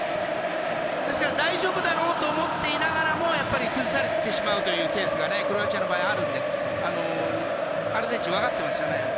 ですから、大丈夫だろうと思っていながらも崩されてしまうというケースがクロアチアの場合はあるのでアルゼンチンは分かってますよね。